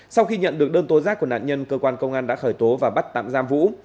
sau khi nhận được đơn tố giác của nạn nhân cơ quan công an đã khởi tố và bắt tạm giam vũ